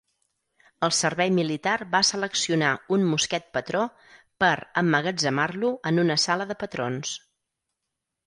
El servei militar va seleccionar un "mosquet patró" per emmagatzemar-lo en una "sala de patrons".